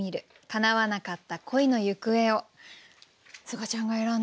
すがちゃんが選んだ。